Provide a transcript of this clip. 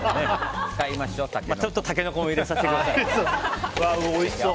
ちょっとタケノコも入れさせてください。